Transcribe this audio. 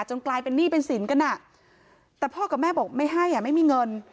กลายเป็นหนี้เป็นสินกันอ่ะแต่พ่อกับแม่บอกไม่ให้อ่ะไม่มีเงิน